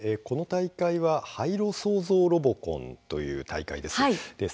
この大会は「廃炉創造ロボコン」という大会です。